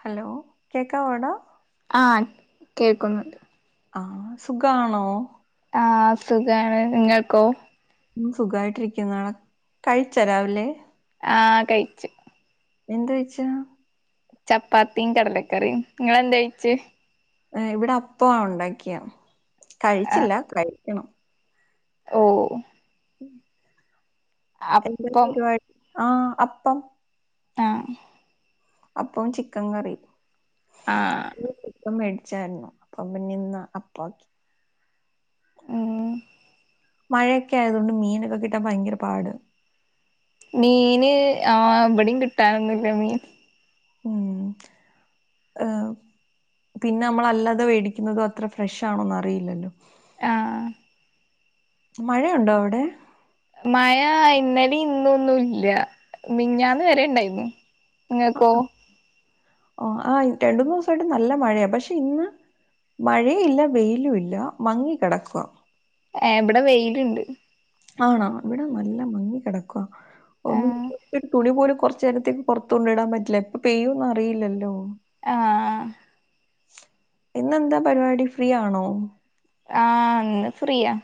Hello കേക്കാവോടാ ആഹ് കേൾക്കുന്നുണ്ട് ആഹ് സുഖമാണോ ആഹ് സുഖാണ് നിങ്ങൾക്കോ ഉംസുഖായിട്ടിരിക്കുന്നാളെ കഴിച്ചൊ രാവില്ലേ ആഹ് കഴിച്ചു എന്താ കഴിച്ച ചപ്പാത്തിയും കടലക്കറിയും നിങ്ങെന്താ ഴിച്ചെ ഇവിടെ അപ്പ ആ ഉണ്ടാക്കിയാ കഴിച്ചില്ല കഴി ക്കണം ഓ ഉം എന്താ അപ്പം പരിപാടി ആഹ് അപ്പം ആ അപ്പം ചിക്കൻ കറി ആഹ് ചിക്കൻ മേടിച്ചായിരുന്നു അപ്പ അമ്മ ന്ന് അപ്പക്കി ആ മഴയൊക്കെ ആയതൊണ്ട് മീനൊക്കെ കിട്ടാൻ ഭയങ്കര പാട് മീന് ആ വിടെയും കിട്ടാനൊന്നില്ല മീൻ ഉം ഏ പിന്നെ നമ്മളല്ലാതെ മേടിക്കുന്നത് അത്ര ഫ്രഷ് ആണോന്ന് അറിയില്ലല്ലോ ആഹ് മഴയുണ്ടോ അവിടെ മായ ഇന്നലിം ഇന്നും ഒന്നും ഇല്ല മിഞ്ഞാന്ന് വരെ ണ്ടായിരുന്നു ങ്ങക്കോ ഓ ആ രണ്ട് മൂന്ന് ദിവസമായിട്ട് നല്ല മഴയാണ് പക്ഷെ ഇന്ന് മഴയില്ല വെയിലുല്ല മങ്ങി കിടക്കുക ആ വിടെ വെയിലുണ്ട് ആണാ ഇവിടെ നല്ല മങ്ങി കിടക്കുക ഒന്നും ആഹ് വിശ് ഒരു തുണി പോലെ കൊറച്ച നേരത്തേക്ക് പുറത്തു കൊണ്ട് ഇടാൻ പറ്റില്ല പ്പൊ പെയ്യൂന്ന് അറിയില്ലല്ലോ ആഹ് ഇന്നെന്താ പരിപാടി ഫ്രീ ആണോ ആഹ് ഫ്രീയാ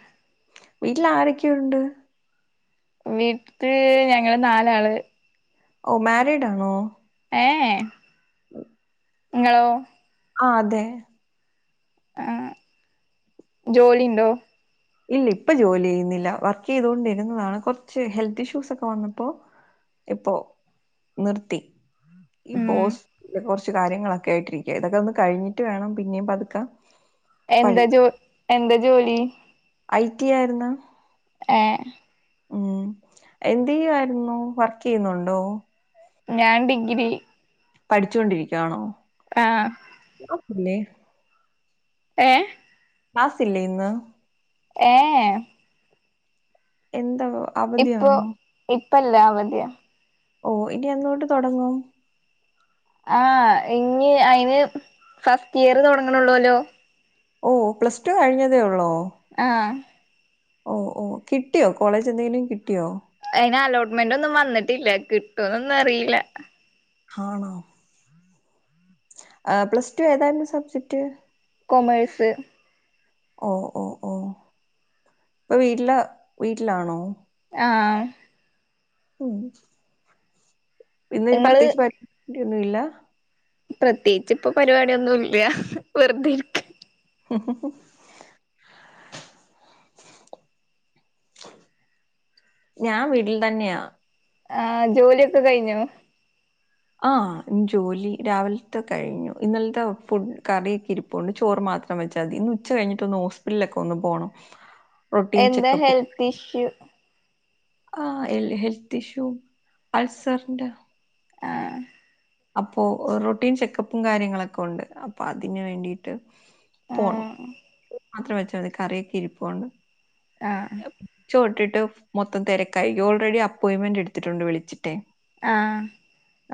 വീട്ടിൽ ആരൊക്കെ ഉണ്ട് വീട്ടില് ഞങ്ങള് നാലാള് ഓ മാരിഡ് ആണോ ഏ എ ങ്ങളോ ആ അതെ ആഹ് ജോലി ണ്ടോ ഇല്ല ഇപ്പൊ ജോലി ചെയ്യുന്നില്ല വർക്ക് ചെയ്തൊണ്ടിരുന്നതാണ് കൊറച്ച് ഹെൽത്ത് ഇഷ്യൂസ് ഒക്കെ വന്നപ്പോ ഇപ്പൊ നിർത്തി ഉം ഈപ്പോസ് ഹോസ് കാര്യങ്ങളൊക്കെ ആയിട്ടിരിക്ക ഇതൊക്കെ ഒന്ന് കഴിഞ്ഞിട്ട് വേണം പിന്നെയും പതുക്കെ എന്താ പഴയ ജോ എന്താ ജോലി ഐ ടി ആയിരുന്നു ഏ ഉം എന്തെയ്യുവായിര്ന്നു വർക്കെയ്യ്ന്നുണ്ടോ? ഞാൻ ഡിഗ്രി പഠിച്ചാേണ്ടിരിക്കുവാണോ ആ പിന്നെ ഏ ക്ലാസ്സില്ലെ ഇന്ന് ഏ എ എന്തോ അവധി ഇപ്പൊ ആണോ ഇപ്പല്ല അവധ്യാ ഓ ഇനി എന്ന്തൊട്ട് താെടങ്ങും ആ ഇനി അയ്ന് ഫസ്റ്റിയറ് തൊട്ങ്ങ്ണാെള്ളാേലാേ ഓ പ്ലസ് ടു കഴിഞ്ഞതേ ഒള്ളോ ആ ഓ ഓ കിട്ടിയോ കോളേജെന്തെങ്കിലും കിട്ടിയോ അയ്ന് അലോട്ട്മെന്റാെന്നും വന്നിട്ടില്ല കിട്ടോന്നൊന്നും അറീല ഹാണോ ആ പ്ലസ്ടു ഏതായ്ര്ന്നു സബ്ജെക്ട് കൊമേഴ്സ് ഓ ഓ ഓ പ്പൊ വീട്ടില് വീട്ട്ലാണോ ആ ഉം ഇന്ന് ഇനി ഇങ്ങള് പ്രത്യേകിച്ച് പ ഒന്നും ഇല്ല പ്രത്യേകിച്ച് ഇപ്പൊ പരിപാടിയൊന്നും ഇല്ല വെറുതെ ഇരിക്ക. ഞാൻ വീട്ടിൽ തന്നെയാ ആ ജോലിയൊക്കെ കഴിഞ്ഞോ ആ ജോലി രാവിലത്തെ കഴിഞ്ഞു ഇന്നലത്തെ ഫു കറിയൊക്കെ ഇരിപ്പൊണ്ട് ചോറ് മാത്രം വെച്ചാൽ മതി ഇന്ന് ഉച്ച കഴിഞ്ഞിട്ടൊന്ന് ഹോസ്പിറ്റലൊക്കെ ഒന്ന് പോണം റൊട്ടീൻ എന്താ ചെക്കപ്പ് ഹെൽത്ത് ഇഷ്യൂ ആ ഹെൽത്ത് ഇഷ്യൂ അൾസറിന്റെ ആ അപ്പൊ റൊട്ടീൻ ചെക്കപ്പും കാര്യങ്ങളൊക്കെ ഒണ്ട് അപ്പൊ അതിന് വേണ്ടിട്ട് പോണം ആ മാത്രം വെച്ചാൽ മതി കറിയൊക്കെ ഇരിപ്പൊണ്ട് ആഹ് അ ചോട്ടിട്ട് ട്ട് മൊത്തം തിരക്കായി ഓൾറെഡി അപ്പോയിന്റ്മെന്റ് എടുത്തിട്ടുണ്ട് വിളിച്ചിട്ടെ ആഹ്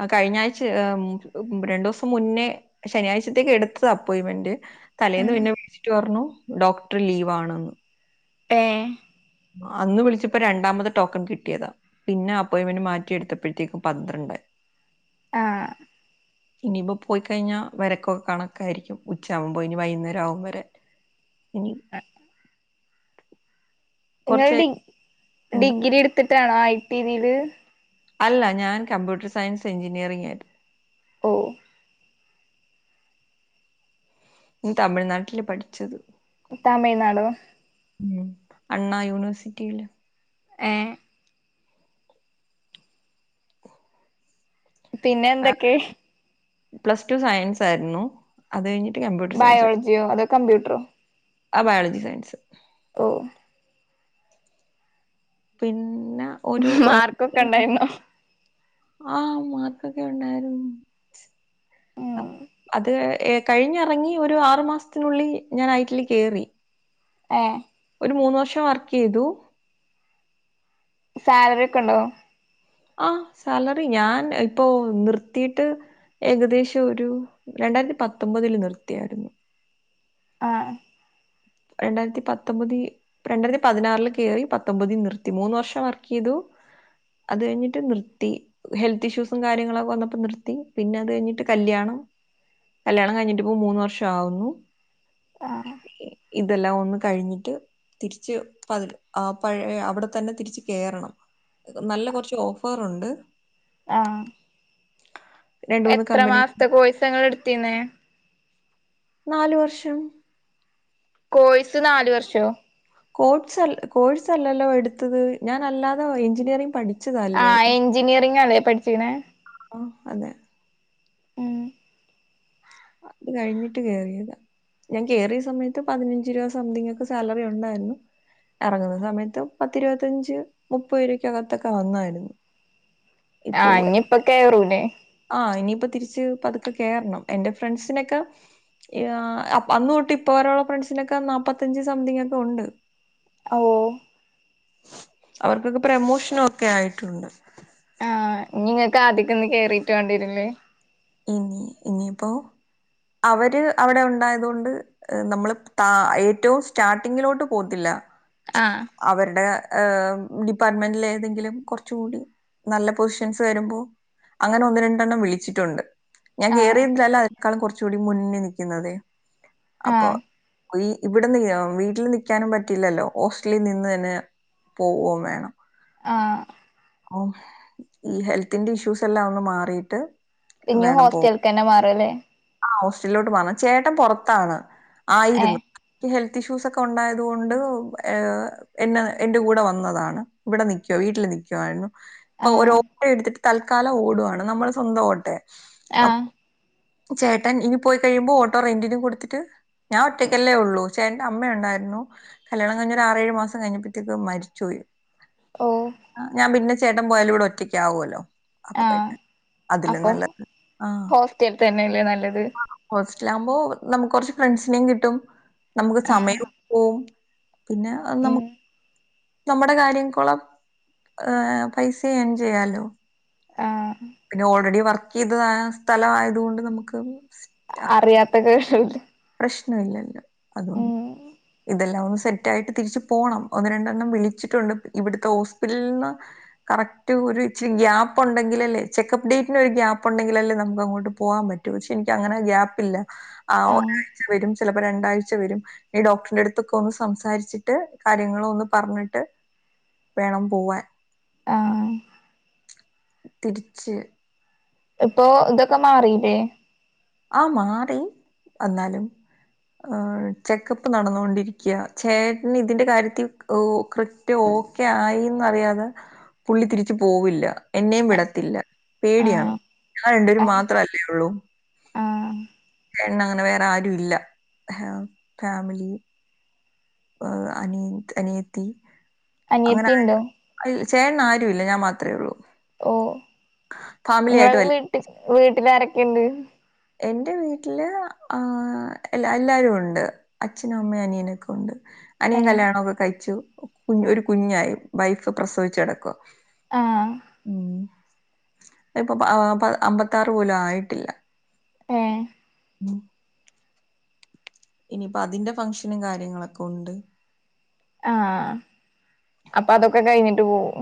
ആ കഴിഞ്ഞ ആഴ്ച ഹ് രണ്ടു ദിവസം മുന്നേ ശനിയാഴ്ചത്തേക്ക് എടുത്തത് അപ്പോയിന്റ്മെന്റ് തലേന്ന് ഉം പിന്നെ വിളിച്ചിട്ട് പറഞ്ഞു ഡോക്ടർ ലീവ ആണെന്ന് പെ അന്ന് വിളിച്ചപ്പോ രണ്ടാമത് ടോക്കൺ കിട്ടിയതാ പിന്നെ അപ്പോയിന്മെന്റ് മാറ്റിയെടുത്തപ്പോഴത്തേക്കും പന്ത്രണ്ടായി ആഹ് ഇനിയിപ്പോ പോയിക്കഴിഞ്ഞാ വരക്കൊക്കെ കണക്കായിരിക്കും ഉച്ച ആകുമ്പോ ഇനി വൈകുന്നേരം ആകും വരാൻ ഇനി ങ്ങ കുറച്ച് ഡി എന്ത ഡിഗ്രി എടുത്തിട്ട് [unintelligible] അല്ല ഞാൻ കമ്പ്യൂട്ടർ സയൻസ് എഞ്ചിനീയറിങ് ആയിരുന്നു ഓ തമിഴ്നാട്ടില് പഠിച്ചത് തമിഴ്നാടോ ഉ അണ്ണാ യൂണിവേഴ്സിറ്റിയില് ഏ പിന്നെ എന്തൊക്കെ പ്ലസ് ടു സയൻസ് ആയിരുന്നു അത് കഴിഞ്ഞ ബയോളജിയോ അതോ കംമ്പ്യൂട്ടറോ ആ ബയോളജി സയൻസ് ഓ പിൻ മാർക്കൊക്കെ ഇണ്ടായിന്നോ ആ മാർക്കൊക്കെ ഉണ്ടായിരുന്നു ഉം അത് ഹ് കഴിഞ്ഞിറങ്ങി ഒരു ആറു മാസത്തിനുള്ളിൽ ഞാൻ ഐറ്റിൽ കേറി ആഹ ഒരു മൂന്ന് വർഷം വർക്ക് ചെയ്തു സാലറി ഒക്കെ ഉണ്ടോ ആ സാലറി ഞാൻ ഇപ്പൊ നിർത്തിയിട്ട് ഏകദേശം ഒരു രണ്ടായിരത്തി പത്തൊമ്പതിൽ നിർത്തിയായിരുന്നു ആഹ് രണ്ടായിരത്തി പത്തൊമ്പതി രണ്ടായിരത്തി പതിനാറില് കേറി പത്തൊമ്പതി നിർത്തി മൂന്ന് വർഷം വർക്ക് ചെയ്തു അത് കഴിഞ്ഞിട്ട് നിർത്തി ഹെൽത്ത് ഇഷ്യൂസും കാര്യങ്ങളൊക്കെ വന്നപ്പോ നിർത്തി പിന്നെ അത് കഴിഞ്ഞിട്ട് കല്യാണം കല്യാണം കഴിഞ്ഞിട്ട് ഇപ്പോ മൂന്ന് വർഷം ആവുന്നു ആഹ് ഇതെല്ലാം ഒന്ന് കഴിഞ്ഞിട്ട് തിരിച്ച് പതി ആഹ് പഴയ അവിടെ തന്നെ തിരിച്ച് കേറണം നല്ല കുറച്ച് ഓഫറുണ്ട് ആഹ് എത്ര കമ്പനി മാസത്തെ കോഴസ ഇങ്ങള് എടുത്തിന്നേ നാലു വർഷം കോഴ്‌സ് നാല് വർഷോ കോട്സ് കോഴ്സ് അല്ലല്ലോ എടുത്തത് ഞാൻ അല്ലാതെ എഞ്ചിനിയറിങ് പഠിച്ച ആഹ് എഞ്ചിനീറിങ് ആണ് പഠിചിക്കണേ ആ അതെ. ഉം അത് കഴിഞ്ഞിട്ട് കേറിയതാ ഞാൻ കേയറിയ സമയത്ത് പതിനഞ്ച് രൂപ സംതിങ് ഒക്കെ സാലറി ഉണ്ടായിരുന്നു ഇറങ്ങുന്ന സമയത്ത് പത്തിരുപത്തയഞ്ച് മുപ്പത് രൂപക്കകത്തൊക്കെ വന്നായിരുന്നു ആഹ് ഇനിപ്പക്കെറൂലെ ആ ഇനിയിപ്പോ തിരിച്ച് പതുക്കെ കേറണം എന്റെ ഫ്രണ്ട്സിനൊക്കെ ആഹ് അന്ന് തൊട്ട് ഇപ്പ വരെയുള്ള ഫ്രണ്ട്സിനൊക്കെ നാപ്പത്തഞ്ച് സംതിങ് ഒക്കെ ഉണ്ട് ഓഹ് അവര്ക്കൊക്കെ പ്രമോഷനൊക്കെ ആയിട്ടുണ്ട് ഇഞ്ഞ്ങ്ങക്ക് ആദ്യക്ക്ന്ന് കേറീട്ട് വേണ്ട്യേരു ലെ ഇനി ഇനിയിപ്പോ അവര് അവിടെ ഉണ്ടായതൊണ്ട് നമ്മള് ത ഏറ്റവും സ്റ്റാർട്ടിങ്ങിലോട്ട് പോകത്തില്ല ആഹ് അവരുടെ ഏ ഡിപ്പാർട്ട്മെന്റിലെ ഏതെങ്കിലും കൊറച്ചുകൂടി നല്ല പൊസിഷൻസ് വരുമ്പോ അങ്ങനെ ഒന്ന് രണ്ടെണ്ണം വിളിച്ചിട്ടുണ്ട് ഞാൻ ആഹ് കേറി [unintelligible] ല്ല ക്കാളും കുറച്ചുകൂടി മുന്നി നിൽക്കുന്നത് അപ്പൊ ആഹ് ഈ ഇവിടെ വീട്ടിൽ നിക്കാനും പറ്റില്ലല്ലോ ഹോസ് റ്റിൽ നിന്ന് തന്നെ പോവൊം വേണം ആഹ് ഓഹ് ഈ ഹെൽത്തിന്റെ ഇഷ്യൂസ് എല്ലാം ഒന്ന് മാറിയിട്ട് ഇനിയും വേണം പോ ഹോസ്റ്റലകന്നെ മാറി വെലെ ആ ഹോസ്റ്റലിലോട്ട് മാറണം ചേട്ടൻ പുറത്താണ് ആയിരുന്നു ഏഹ് ഹെ തിഷ്യൂസ് ഒക്കെ ഉണ്ടായത് കൊണ്ട് എന്നെ എന്റെ കൂടെ വന്നതാണ് ഇവിടെ നിക്കുവോ വീട്ടിൽ നി ക്ക്വായിരുന്നു ഇപ്പൊ ആഹ് ഒരൊപ്പ എടുത്തിട്ട് തൽക്കാലം ഓടുവാണ് നമ്മൾ സ്വന്തം ഓട്ടെ ആഹ് ചേട്ടൻ ഇനി പോയി കഴിയുമ്പോൾ ഓട്ടോ റെന്റിന് കൊടുത്തിട്ട് ഞാൻ ഒറ്റയ്ക്കല്ലേ ഉള്ളൂ ചേട്ടന്റെ അമ്മയുണ്ടായിരുന്നു കല്യാണം കഴിഞ്ഞൊ ഒരു ആറേഴ് മാസം കഴിഞ്ഞപ്പോഴത്തേക്ക് മരിച്ചോയി ഓഹ് ഞാൻ പിന്നെ ചേട്ടൻ പോയാലും ഇവിടെ ഒറ്റക്കാവോല്ലോ അപ്പൊ ആഹ് പിന്നെ അതില് നല്ലത് ആഹ് ല്ലെ നല്ലത് ഹോസ്റ്റിലാകുമ്പോ നമുക്ക് കൊറ്ച്ച് ഫ്രണ്ട്സിനേയും കിട്ടും നമുക്ക് ആഹ് സമയൊം പോവും പിന്നെ അ ഉം നമ്മുക്ക് നമ്മുടെ കാര്യം കൊളം ഏ പൈസേം ഏൺ ചെയ്യാലോ ആഹ് പിന്നെ ഓൾറെഡി വർക്ക് ചെയ്ത സ്ഥല ആയതുകൊണ്ട് നമുക്ക് അറിയാത്തക് കിണ്ട് [unintelligible] പ്രശ്നം ഇല്ലല്ലോ അതൊണ്ട് ഇതെല്ലാം ഒും സെറ്റ് ആയിട്ട് തിരിച്ച് പോണം ഒന്ന് രണ്ടെണ്ണം വിളിച്ചിട്ടുണ്ട് ഇവ്ട്ക്ക് ഹോസ്പിറ്റ്ൽന്ന് കറക്റ്റ് ഒരു ഇച്ചിരി ഗ്യാപ്പ് ഉണ്ടെങ്കിലല്ലേ ചെക്കപ്പ് ഡേറ്റിന് ഒരു ഗ്യപ്പ് ഉണ്ടെങ്കിൽല്ലേ നമുക്ക് അങ്ങോട്ട് പോവാൻ പറ്റു ക്ഷെ ഇൻക്ക് അങ്ങനെ ഗ്യാപ്പ് ഇല്ല അയേ ആഹ് രണ്ടാഴ്ച വരും ചിലപ്പോ രണ്ടാഴ്ച വരും ഈ ഡോക്ടറിന്റെ അടുത്തൊക്കെ ഒന്ന് സംസാരിച്ചിട്ട് കാര്യങ്ങൾ ഒന്ന് പറഞ്ഞിട്ട് വേണം പോവാൻ ആഹ് തിരിച്ച് ഇപ്പൊ ഇതൊക്കെ മാറിലെ ആ മാറി അന്നാലും ഏ ചെക്കപ്പ് നടന്നുകൊണ്ടിരിക്ക്യ ചേട്ടന് ഇതിന്റെ കാര്യത്തിൽ കൃറ്റ് ഓക്കെ ആയിന്ന് അറിയാതെ പുള്ളി തിരിച്ച് പോവില്ല എന്നെയും വിടത്തില്ല പേടിയാണ് ആഹ് ഞാ രണ്ട് വേരും ആഹ് മാത്ര അല്ലേ ഒള്ളൂ ആഹ് പെണ്ണങ്ങനെ വേറെ ആരും ഇല്ല ഫാമിലി ഹ് അനി അനിയത്തി അനിയത്തിണ്ടോ ചേട്ടന് ആരും ഇല്ല ഞാൻ മാത്ര ഒള്ളൂ ഓ ഇങ്ങളെ വല്ല വീട്ട് വീ പിന്നെ ആരൊക്കെ ഇണ്ട് എന്റെ വീട്ടില് ആ എല്ല എല്ലാരും ഉണ്ട് അച്ഛനും അമ്മയും അനിയനൊക്കെ ഉണ്ട് അനിയൻ ഏഹ് കല്യാണം ഒക്കെ കഴിച്ചു കുഞ്ഞ് ഒര് കുഞ്ഞായി വൈഫ് പ്രസവിച്ച് കെടക്കുവാ ആ ഇപ്പൊ പാ ആ പാ അമ്പത്താറ് പോലും ആയിട്ടില്ല ഏ ഉ ഇനിയിപ്പോ അതിന്റെ ഫംഗഷനും കാര്യങ്ങളൊക്കെ ഉണ്ട് ആ അപ്പൊ അതൊക്കെ കഴിഞ്ഞിട്ട് പോവും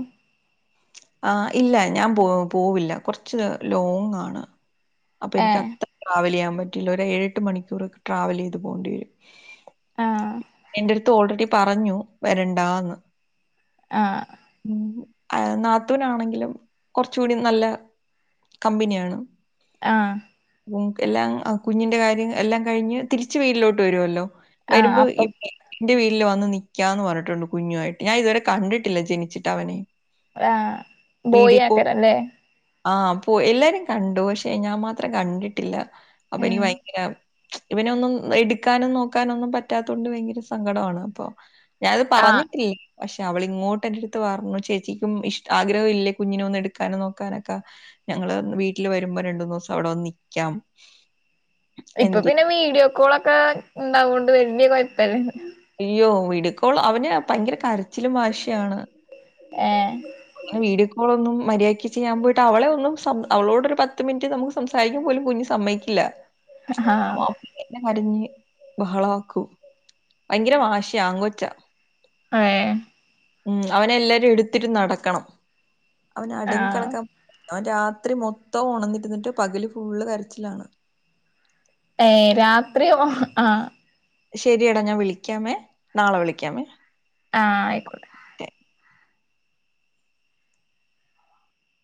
ആ ഇല്ല ഞാൻ പോ പോവില്ല കെർച്ച് ലോങ് ആണ് അപ്പൊ ഏ എനിക്ക് അത്ര ട്രാവൽ ചെയ്യാൻ പറ്റ് റ്റില്ല ഒര് എഴട്ട് മണിക്കൂർ ട്രാവൽ ചെയ്ത് പോണ്ടി വരും ആ ഇന്റെ എട്ത്ത് ഓൾറെഡി പറഞ്ഞു വെരണ്ടാന്ന് ആ നാത്തൂനാണെങ്കിലും കൊർച്ചൂടി നല്ല കമ്പനിയാണ് ആ എല്ലാം കുഞ്ഞിന്റെ കാര്യം എല്ലാം കഴിഞ്ഞ് തിരിച്ച് വീട്ടിലോട്ട് വരുവല്ലോ ആഹ് വരുമ്പോ അപ്പൊ ഇപ്പ ഇന്റെ വീട്ടില് വന്ന് നി നിക്കാന്ന് പറഞ്ഞിട്ടുണ്ട് കുഞ്ഞുവായിട്ട് ഞാൻ ഇതുവരെ കണ്ടിട്ടില്ല ജനി ച്ചിട്ട് അവനെ ആ ബോയി ആക്കരംലെ പ്പോ എല്ലാരും കണ്ടു പക്ഷേ ഞാൻ മാത്രം കണ്ടിട്ടില്ല അപ്പൊ എനിക്ക് ഉം ഭയങ്കര ഇവനൊന്നും എടുക്കാനും നോക്കാനും ഒന്നും പറ്റാത്തോണ്ട് ഭയങ്കര സങ്കടവാണ് അപ്പൊ ഞാനത് ആഹ് പറഞ്ഞിട്ടില്ല പഷെ അവൾ ഇങ്ങോട്ട് എന്റെ അട് ത്ത് പറഞ്ഞു ചേച്ചിക്കും ഇഷടാ ആഗ്രഹം ഇല്ലേ കുഞ്ഞിനെ ഒന്ന് എടുക്കാനും നോക്കാനൊക്കെ ഞങ്ങൾ വീട്ടില് വരുമ്പോ രണ്ട് മൂന്ന് ദിവ്സം അവിടെ വന്ന് നിക്കാം എന്ന ഇപ്പൊ രീതി പിന്നെ വീഡിയോ കോൾ ഒക്കെ ഇണ്ടാവണ്ട് അ വലിയ കുഴപ്പന്നേ ഇപ്പോൾ അവന് ഭയങ്കര കരച്ചിലും മശിയാണ് ആഹ വീടിക്കോള ഒന്നും മര്യാദി ചെയ്യാൻ പോയിട്ട് അവളെ ഒന്നും അവളോട്ൊ ഒരു പത്ത് മിനിറ്റ് നമുക്ക് സംസാരിക്കുമ പോലും കുഞ്ഞ് സമ്മയിക്കില്ല ആഹ് അവ അപ്പെ കറിഞ്ഞ് ബഹള ആക്കൂ ഭയങ്കര ആശിയ അങ്കൊച്ച ആ ഉം അവനെ എല്ലാരും എടുത്തിട്ട് നടക്കും ആക്കണം അവന് അടങ്ങി ആഹ് കിടക്കാൻ അവൻ രാത്രി മൊത്തം ഉണന്നിരുന്നിട്ട് പകല് ഫുള്ള് കരച്ചിലാണ് ഏ രാത്രി ആ ശരിയടാ ഞാൻ വിളിക്കാമേ നാളെ വിളിക്കാമേ ആഹ ആയിക്കോട്ടെ